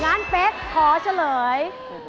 งานเฟสขอเฉลย